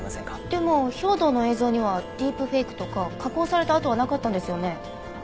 でも兵働の映像にはディープフェイクとか加工された跡はなかったんですよね？